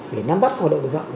để nắm bắt hoạt động tội phạm